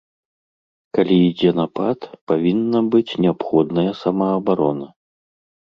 Калі ідзе напад, павінна быць неабходная самаабарона.